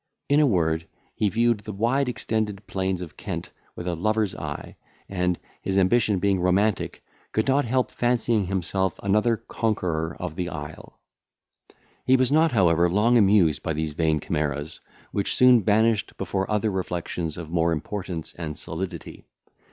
In a word, he viewed the wide extended plains of Kent with a lover's eye, and, his ambition becoming romantic, could not help fancying himself another conqueror of the isle. He was not, however, long amused by these vain chimeras, which soon vanished before other reflections of more importance and solidity.